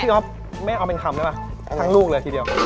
ก๊อฟแม่เอาเป็นคำได้ป่ะทั้งลูกเลยทีเดียว